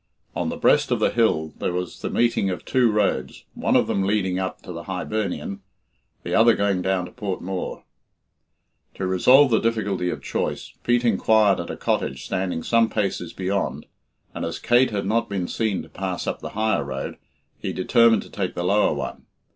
On the breast of the hill there was the meeting of two roads, one of them leading up to the "Hibernian," the other going down to Port Mooar. To resolve the difficulty of choice, Pete inquired at a cottage standing some paces beyond, and as Kate had not been seen to pass up the higher road, he determined to take the lower one.